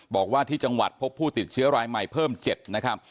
บอกว่าที่จังหวัดพบผู้ติดเชื้อรายใหม่เพิ่ม๗นะครับ